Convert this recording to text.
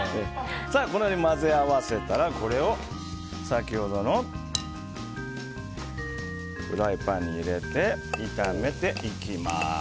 このように混ぜ合わせたらこれを先ほどのフライパンに入れて炒めていきます。